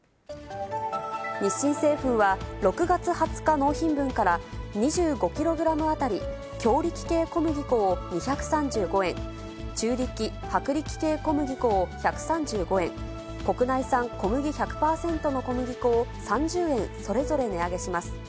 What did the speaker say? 日清製粉は、６月２０日納品分から２５キログラム当たり強力系小麦粉を２３５円、中力・薄力系小麦粉を１３５円、国内産小麦１００％の小麦粉を３０円、それぞれ値上げします。